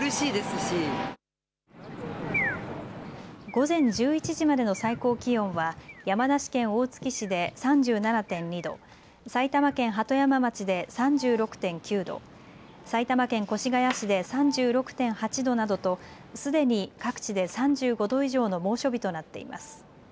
午前１１時までの最高気温は山梨県大月市で３７．２度、埼玉県鳩山町で３６．９度、埼玉県越谷市で３６．８度などとすでに各地で３５度以上の猛暑日となっています。